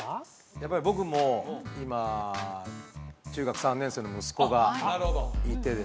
やっぱり僕も今中学３年生の息子がいてですね